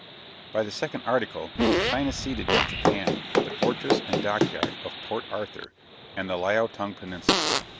By the second article China ceded to Japan the fortress and dockyard of Port Arthur and the Liao tung Peninsula.